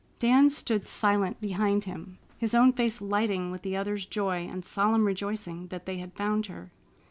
Dan stood silent behind him, his own face lighting with the other's joy and solemn rejoicing that they had found her.